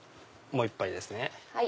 もう１杯ですね。